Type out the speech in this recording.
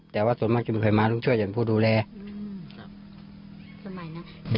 แต่ว่าส่วนมากจะไม่เคยมาต้องช่วยอย่างผู้ดูแลสมัยนะ